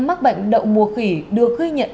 mắc bệnh đậu mùa khỉ được ghi nhận